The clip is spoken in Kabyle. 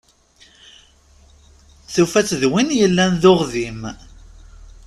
Tufa-t d win yellan d uɣdim.